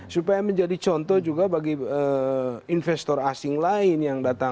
supaya menjadi contoh juga bagi investor asing lain yang datang